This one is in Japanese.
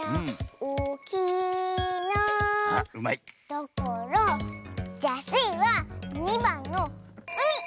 だからじゃあスイは２ばんのうみ！